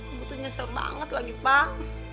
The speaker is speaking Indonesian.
ibu tuh nyesel banget lagi pak